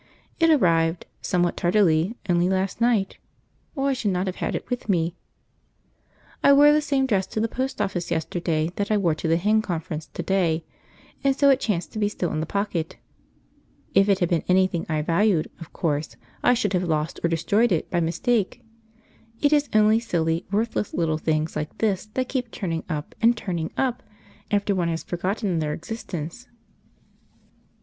It arrived, somewhat tardily, only last night, or I should not have had it with me. I wore the same dress to the post office yesterday that I wore to the Hen Conference to day, and so it chanced to be still in the pocket. If it had been anything I valued, of course I should have lost or destroyed it by mistake; it is only silly, worthless little things like this that keep turning up and turning up after one has forgotten their existence.